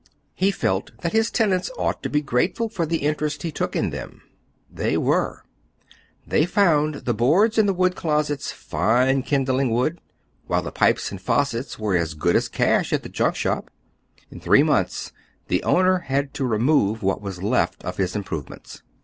He felt that his tenants ought to be grateful for the interest he took in them. They were. They found the boards in the wood closets fine kindling wood, while the pipes and faucets were as good as cash at the junk shop. In three months tlte owner had to remove what was left of his improvements.